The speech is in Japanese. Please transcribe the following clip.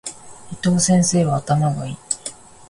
伊藤先生は頭が良い。